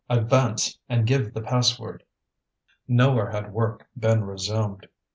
_ Advance and give the password!" Nowhere had work been resumed.